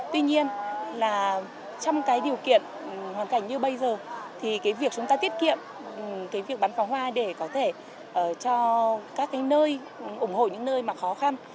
tuy nhiên là trong cái điều kiện hoàn cảnh như bây giờ thì cái việc chúng ta tiết kiệm cái việc bắn pháo hoa để có thể cho các nơi ủng hộ những nơi mà khó khăn